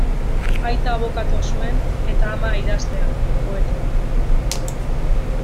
Aita abokatua zuen eta ama idazlea, poeta.